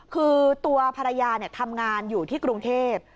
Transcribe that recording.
คือตัวภรรยาทำงานอยู่ที่กรุงเทพ